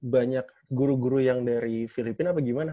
banyak guru guru yang dari filipina apa gimana